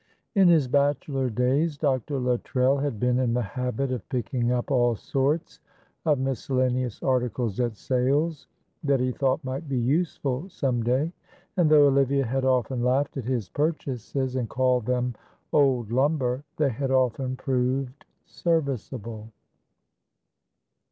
In his bachelor days Dr. Luttrell had been in the habit of picking up all sorts of miscellaneous articles at sales, that he thought might be useful some day, and though Olivia had often laughed at his purchases and called them old lumber, they had often proved serviceable.